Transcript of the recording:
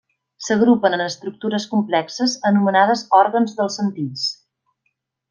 S'agrupen en estructures complexes anomenades òrgans dels sentits.